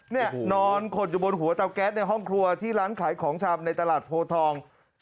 นี่นอนขดอยู่บนหัวเตาแก๊สในห้องครัวที่ร้านขายของชำในตลาดโพทอง